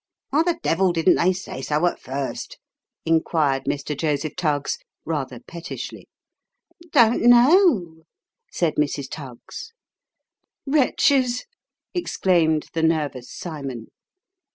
" Why the devil didn't they say so at first ?" inquired Mr. Joseph Tuggs, rather pettishly. " Don't know," said Mrs. Tuggs. " Wretches !" exclaimed the nervous Cymon.